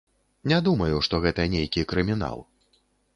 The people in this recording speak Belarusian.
Не думаю, што гэта нейкі крымінал.